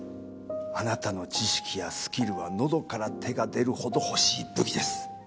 あなたの知識やスキルはのどから手が出るほど欲しい武器です。